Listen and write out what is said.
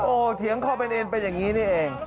โอ้เทียงขอบรรณเอ็นเเป็นอย่างนี้นี่เอง